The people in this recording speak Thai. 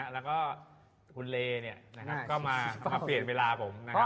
แล้วก็คุณเลก็มาเปลี่ยนเวลาผม